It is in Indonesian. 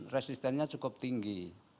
resistennya cukup tinggi